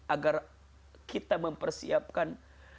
agar kita mempersiapkan